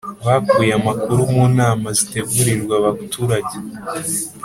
bakuye amakuru mu nama zitegurirwa abaturage